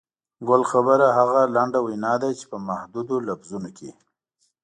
ګل خبره هغه لنډه وینا ده چې په محدودو لفظونو کې.